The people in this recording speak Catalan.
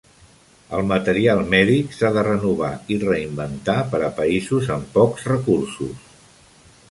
El material mèdic s'ha de renovar i reinventar per a països amb pocs recursos.